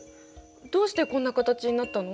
どうしてこんな形になったの？